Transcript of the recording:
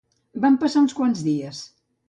Van passar uns quants dies